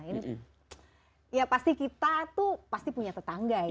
ini ya pasti kita tuh pasti punya tetangga ya